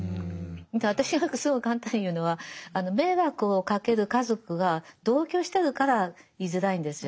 私なんかすごい簡単に言うのは迷惑をかける家族が同居してるから居づらいんですよ。